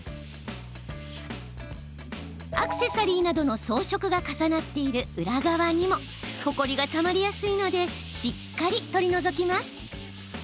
アクセサリーなどの装飾が重なっている裏側にもホコリがたまりやすいのでしっかり取り除きます。